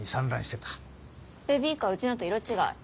ベビーカーうちのと色違い。